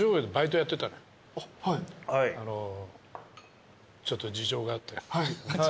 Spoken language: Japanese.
ちょっと事情があって。